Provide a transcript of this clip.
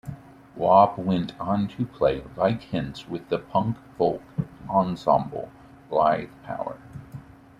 Wob went on to play, like Hince, with the punk-folk ensemble "Blyth Power".